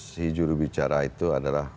si jurubicara itu adalah